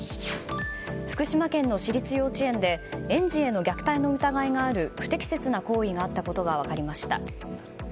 福島県の私立幼稚園で園児への虐待の疑いがある不適切な行為があったことが分かりました。